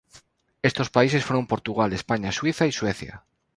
Estos países fueron Portugal, España, Suiza y Suecia.